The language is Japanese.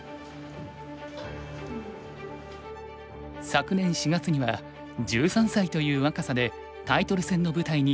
昨年４月には１３歳という若さでタイトル戦の舞台に登場。